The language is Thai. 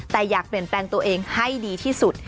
แต่อยากเปลี่ยนแปลงตัวเองให้ดีที่สุด